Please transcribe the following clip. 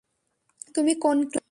তুমি কোন ক্লাসে?